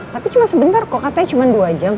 tapi cuma sebentar kok katanya cuma dua jam